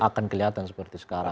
akan kelihatan seperti sekarang